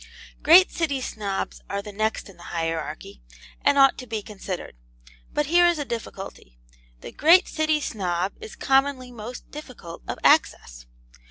Great City Snobs are the next in the hierarchy, and ought to be considered. But here is a difficulty. The great City Snob is commonly most difficult of access.